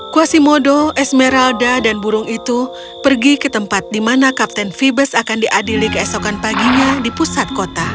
quasimodo esmeralda dan burung itu pergi ke tempat di mana kapten phibus akan diadili keesokan paginya di pusat kota